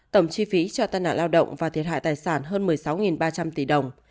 tổng chi phí cho tai nạn lao động và thiệt hại tài sản hơn một mươi sáu ba trăm linh tỷ đồng